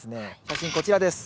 写真こちらです。